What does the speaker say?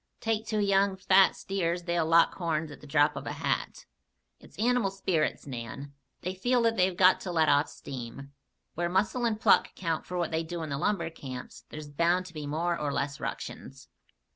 Take two young, fat steers they'll lock horns at the drop of a hat. It's animal spirits, Nan. They feel that they've got to let off steam. Where muscle and pluck count for what they do in the lumber camps, there's bound to be more or less ructions."